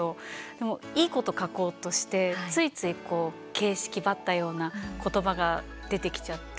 でも、いいこと書こうとしてついつい形式ばったような言葉が出てきちゃって。